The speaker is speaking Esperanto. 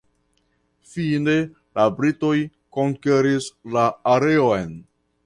Fine la britoj konkeris la areon.